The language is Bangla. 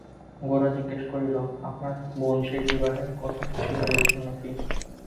গোরা জিজ্ঞাসা করিল, আপনার বোনঝির বিবাহের কথা কিছু ভেবেছেন নাকি?